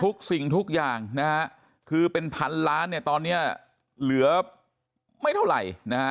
สิ่งทุกอย่างนะฮะคือเป็นพันล้านเนี่ยตอนนี้เหลือไม่เท่าไหร่นะฮะ